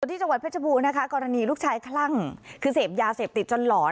ที่จังหวัดเพชรบูรณนะคะกรณีลูกชายคลั่งคือเสพยาเสพติดจนหลอน